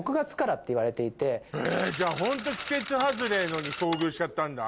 じゃあホント季節外れのに遭遇しちゃったんだ？